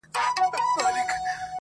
چي پنیر یې وو له خولې څخه وتلی!!